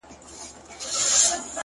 يوه شېبه تم سوی نه يم در روان هم يم _